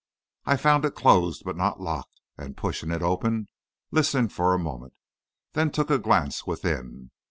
I found it closed but not locked, and pushing it open, listened for a moment, then took a glance within.